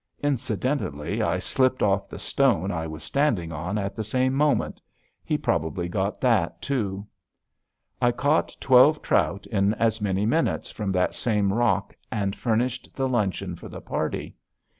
Incidentally, I slipped off the stone I was standing on at the same moment. He probably got that, too. I caught twelve trout in as many minutes from that same rock and furnished the luncheon for the party.